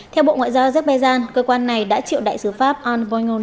theo bộ ngoại giao azerbaijan cơ quan này đã chịu đại sứ pháp arne voynion